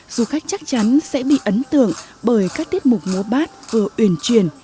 du khách chắc chắn sẽ bị ấn tượng bởi các tiết mục múa bát vừa uyển truyền